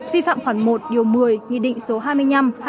phi phạm khoảng một điều một mươi